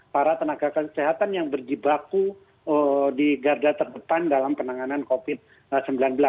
para tenaga kesehatan yang berjibaku di garda terdepan dalam penanganan covid sembilan belas